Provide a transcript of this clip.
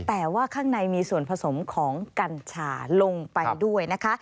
แต่ว่าข้างในมีส่วนผสมของกัญชาลงไปด้วยนะคะ